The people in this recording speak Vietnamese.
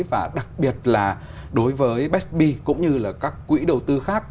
và đặc biệt là đối với besb cũng như là các quỹ đầu tư khác